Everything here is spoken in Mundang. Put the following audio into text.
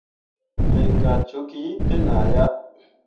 Megah tokki ten ah ya.